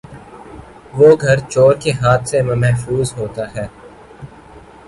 وہ گھر چورکے ہاتھ سے ممحفوظ ہوتا ہے